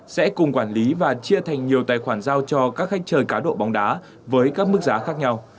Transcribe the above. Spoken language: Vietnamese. sẽ cùng quản lý và chia thành nhiều tài khoản giao cho các khách chơi cá độ bóng đá với các mức giá khác nhau